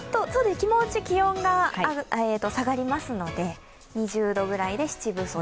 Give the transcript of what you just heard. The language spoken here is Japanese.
気持ち気温が下がりますので２０度ぐらいで七分袖。